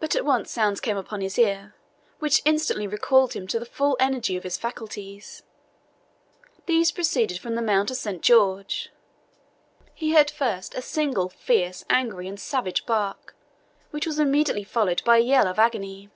But at once sounds came upon his ear which instantly recalled him to the full energy of his faculties. These proceeded from the Mount of Saint George. He heard first a single, fierce, angry, and savage bark, which was immediately followed by a yell of agony.